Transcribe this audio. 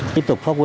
tiếp tục phát huy